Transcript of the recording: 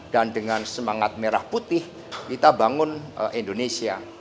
dan dengan semangat merah putih kita bangun indonesia